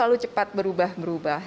jangan lupa cepat berubah berubah